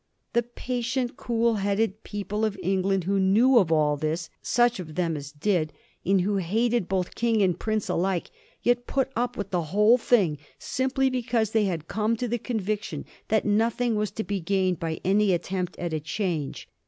The patient, cool headed people of England who knew of all this — such of them as did — and who hated both king and prince alike, yet put up with the whole thing simply because they had come to the conviction that nothing was to be gained by any attempt at a change.